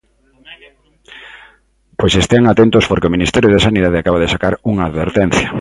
Pois estean atentos porque o Ministerio de Sanidade acaba de sacar unha advertencia.